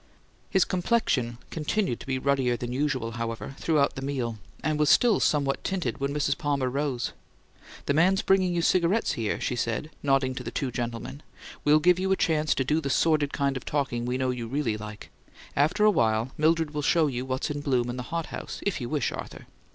His complexion continued to be ruddier than usual, however, throughout the meal, and was still somewhat tinted when Mrs. Palmer rose. "The man's bringing you cigarettes here," she said, nodding to the two gentlemen. "We'll give you a chance to do the sordid kind of talking we know you really like. Afterwhile, Mildred will show you what's in bloom in the hothouse, if you wish, Arthur."